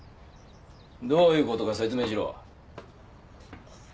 どういうことか説明しろ。